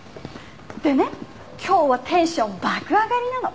でね今日はテンション爆上がりなの。